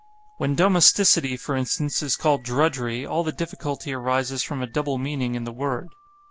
When domesticity, for instance, is called drudgery, all the difficulty arises from a double meaning in the word.